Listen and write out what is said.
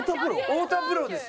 太田プロです。